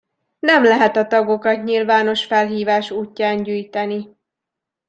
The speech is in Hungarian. Nem lehet a tagokat nyilvános felhívás útján gyűjteni.